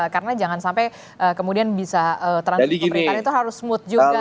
karena jangan sampai kemudian bisa transisi pemerintahan itu harus berubah